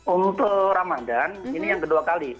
untuk ramadan ini yang kedua kali